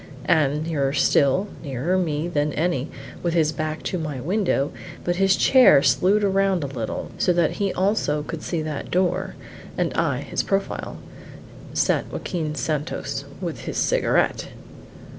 And nearer still, nearer me than any, with his back to my window but his chair slued round a little, so that he also could see that door, and I his profile, sat Joaquin Santos with his cigarette!